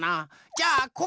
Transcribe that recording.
じゃあここ！